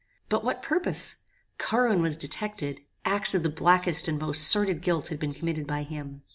But what purpose? Carwin was detected. Acts of the blackest and most sordid guilt had been committed by him.